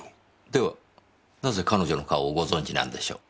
ではなぜ彼女の顔をご存じなんでしょう？